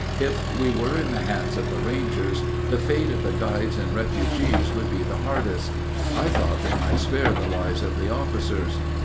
If we were in the hands of the Rangers, the fate of the guides and refugees would be the hardest. I thought they might spare the lives of the officers.